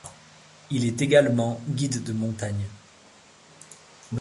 Il est également guide de montagne.